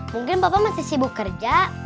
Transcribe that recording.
mungkin bapak masih sibuk kerja